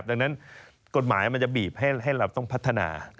ดังนั้นกฎหมายมันจะบีบให้เราต้องพัฒนา